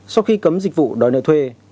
sau khi cấm dịch vụ đòi nợ thuê